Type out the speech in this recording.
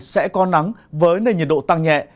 sẽ có nắng với nền nhiệt độ tăng nhẹ